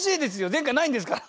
前回ないんですから。